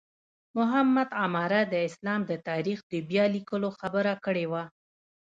محمد عماره د اسلام د تاریخ د بیا لیکلو خبره کړې وه.